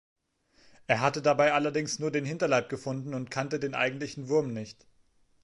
Er hatte dabei allerdings nur den Hinterleib gefunden und kannte den eigentlichen Wurm nicht.